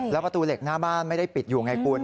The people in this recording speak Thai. แล้วประตูเหล็กหน้าบ้านไม่ได้ปิดอยู่ไงคุณ